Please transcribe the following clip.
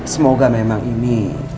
semoga memang ini